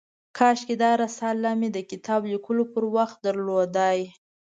کاشکي دا رساله مې د کتاب لیکلو پر وخت درلودای.